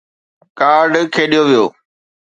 Card کيڏيو ويو.